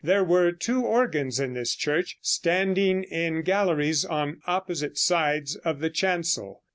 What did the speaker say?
There were two organs in this church, standing in galleries on opposite sides of the chancel.